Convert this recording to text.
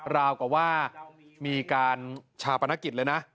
ราวกับว่ามีการชาปนกิจเลยนะ